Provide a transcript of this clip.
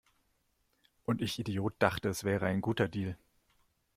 Und ich Idiot dachte, es wäre ein guter Deal!